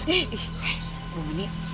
eh eh eh bu ini